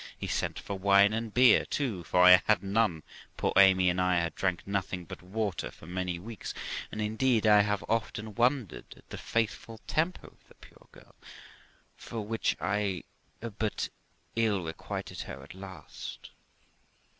He sent for wine and beer too, for I had none ; poor Amy and I had drank nothing but water for many weeks, and indeed I have often wondered at the faithful temper of the poor girl, for which I but ill requited her at last.